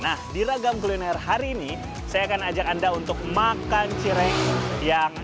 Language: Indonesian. nah di ragam kuliner hari ini saya akan ajak anda untuk makan cireng yang